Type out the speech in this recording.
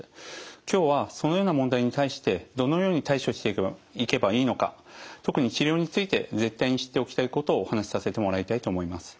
今日はそのような問題に対してどのように対処していけばいいのか特に治療について絶対に知っておきたいことをお話しさせてもらいたいと思います。